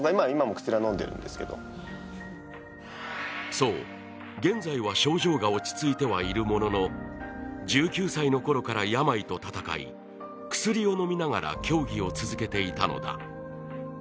そう、現在は症状が落ち着いてはいるものの、１９歳のころから病と闘い薬を飲みながら競技を続けていたのだ。